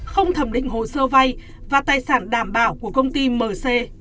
không thẩm định hồ sơ vay và tài sản đảm bảo của công ty mc